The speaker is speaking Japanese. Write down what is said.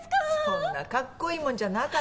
そんなかっこいいもんじゃなかった。